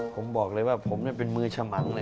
ผมบอกเลยว่าผมเป็นมือฉมังเลย